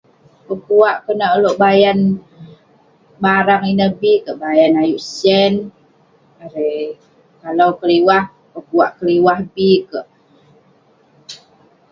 Pekuak konak ulouk bayan barang ineh bi kek. Bayan ayik sen. Erei- kalau keliwah, pekuak keliwah be kek